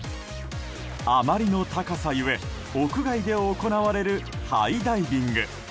あまりの高さゆえ屋外で行われるハイダイビング。